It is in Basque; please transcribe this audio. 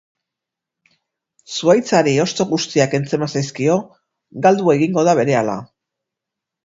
Zuhaitzari hosto guztiak kentzen bazaizkio, galdu egingo da berehala